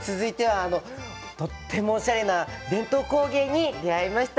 とってもおしゃれな伝統工芸に出会いました。